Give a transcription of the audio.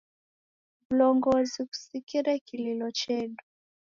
W'ulongozi ghusikire kililo chedu.